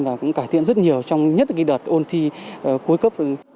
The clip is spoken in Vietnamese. và cũng cải thiện rất nhiều trong nhất là cái đợt ôn thi cuối cấp